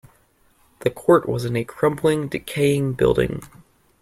The court was in a crumbling, decaying building.